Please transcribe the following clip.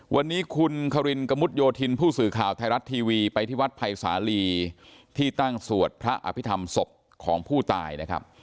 วันนี้คุณคารินกะมุดโยธินผู้สื่อข่าวไทยรัฐทีวีไปที่วัดภัยสาลีที่ตั้งสวดพระอภิษฐรรมศพของผู้ตายนะครับ